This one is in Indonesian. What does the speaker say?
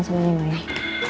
ma saya cari murid murid aja